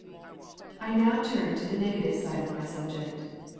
I turn now to the negative side of my subject.